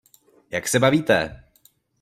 Jak se bavíte?